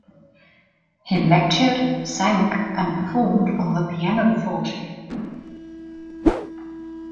He lectured, sang, and performed on the pianoforte.